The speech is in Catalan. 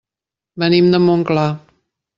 Venim de Montclar.